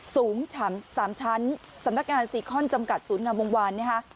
สูง๓ชั้นสำนักงานซีคอนจำกัดศูนย์งามวงวานนะคะ